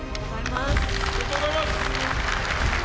おめでとうございます。